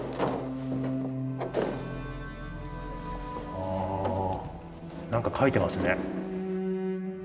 あ何か書いてますね。